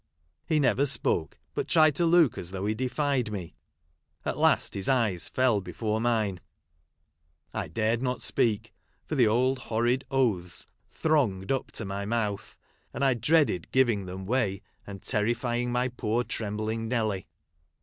He never .spoke, but tried to look as though he defied me ; at last his eyes fell before mine. I dared not speak ; for the old horrid oaths thronged up to my mouth ; and I dreaded giving them way, and terrifying my poor trembling Nelly.